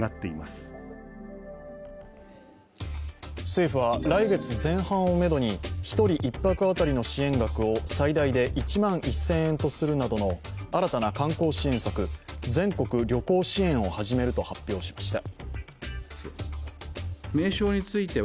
政府は、来月前半をめどに１人１泊当たりの支援額を最大で１万１０００円とするなどの新たな観光支援策、全国旅行支援を始めると発表しました。